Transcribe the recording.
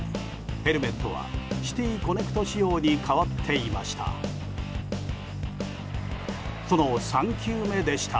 ヘルメットはシティ・コネクト仕様に変わっていました。